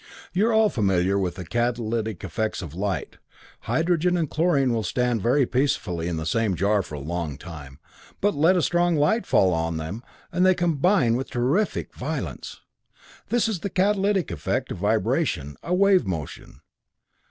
You're all familiar with the catalytic effects of light. Hydrogen and chlorine will stand very peacefully in the same jar for a long time, but let a strong light fall on them, and they combine with terrific violence. This is the catalytic effect of a vibration, a wave motion.